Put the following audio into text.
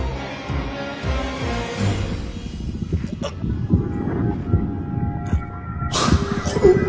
あっ！